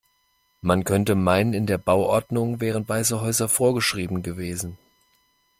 Man könnte meinen in der Bauordnung wären weiße Häuser vorgeschrieben gewesen.